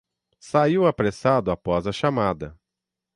Saiu apressado após a chamada